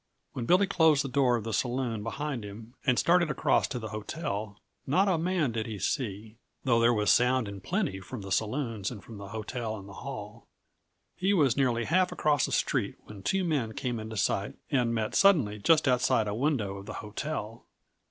When Billy closed the door of the saloon behind him and started across to the hotel, not a man did he see, though there was sound in plenty from the saloons and the hotel and the hall. He was nearly half across the street when two men came into sight and met suddenly just outside a window of the hotel.